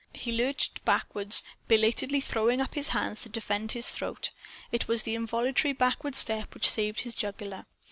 He lurched backward, belatedly throwing both hands up to defend his throat. It was the involuntary backward step which saved his jugular.